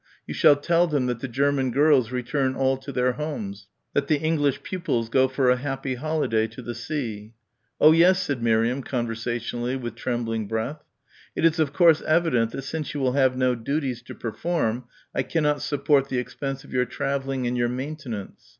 You shall tell them that the German pupils return all to their homes; that the English pupils go for a happy holiday to the sea." "Oh yes," said Miriam conversationally, with trembling breath. "It is of course evident that since you will have no duties to perform, I cannot support the expense of your travelling and your maintenance."